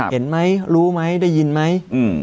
เห็นไหมรู้ไหมได้ยินไหม